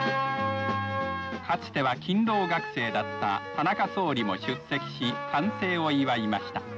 かつては勤労学生だった田中総理も出席し完成を祝いました。